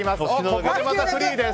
ここでまたフリーです。